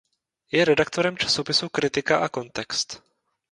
Je redaktorem časopisu Kritika a kontext.